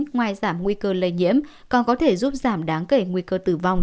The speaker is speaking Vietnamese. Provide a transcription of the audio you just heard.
ngoài giảm nguy cơ lây nhiễm còn có thể giúp giảm đáng kể nguy cơ tử vong